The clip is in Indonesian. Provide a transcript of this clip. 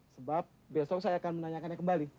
sebab besok saya akan menanyakannya kembali